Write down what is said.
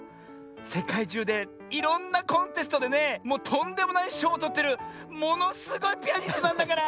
せかいじゅうでいろんなコンテストでねもうとんでもないしょうをとってるものすごいピアニストなんだから！